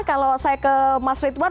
kalau saya ke mas ridwan